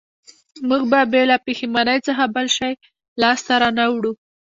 موږ به بې له پښېمانۍ څخه بل هېڅ شی لاسته را نه وړو